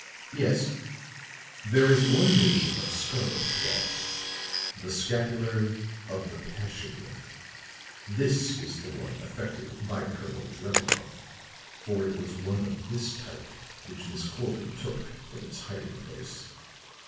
"Yes." "There is one made of scarlet cloth the 'Scapular of the Passion.' This is the one affected by Colonel Drevenoff; for it was one of this type which Miss Corbin took from its hiding place.